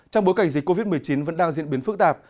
trong bối cảnh dịch covid một mươi chín vẫn đang diễn biến phức tạp